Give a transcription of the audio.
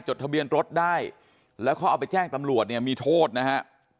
ทะเบียนรถได้แล้วเขาเอาไปแจ้งตำรวจเนี่ยมีโทษนะฮะ